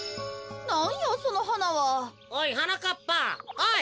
おい？